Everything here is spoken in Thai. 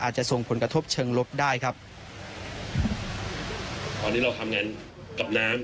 ส่งผลกระทบเชิงลบได้ครับตอนนี้เราทำงานกับน้ำ